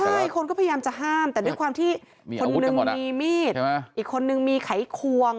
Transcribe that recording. ใช่คนก็พยายามจะห้ามแต่ด้วยความที่คนนึงมีมีดอีกคนนึงมีไขควง